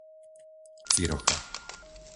Cirocha